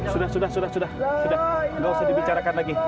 sudah sudah sudah sudah sudah nggak usah dibicarakan lagi